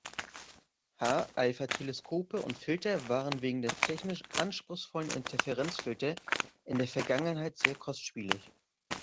H-alpha-Teleskope und -Filter waren wegen der technisch anspruchsvollen Interferenzfilter in der Vergangenheit sehr kostspielig.